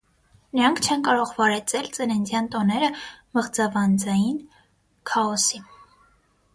Նրանք չեն կարող վարեծել ծննդյան տոները մղձավանձային քաոսի։